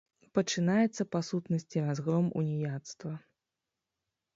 Пачынаецца, па сутнасці, разгром уніяцтва.